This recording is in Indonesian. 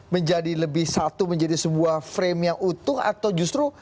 menjadi lebih satu menjadi sebuah frame yang utuh atau justru